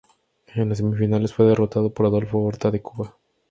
En las semifinales fue derrotado por Adolfo Horta de Cuba.